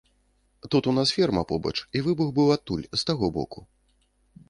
Тут у нас ферма побач, і выбух быў адтуль, з таго боку.